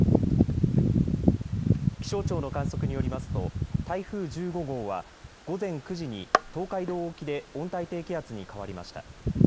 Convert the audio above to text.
気象庁の観測によりますと台風１５号は午前９時に東海道沖で温帯低気圧に変わりました。